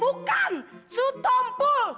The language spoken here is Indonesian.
bukan si tompul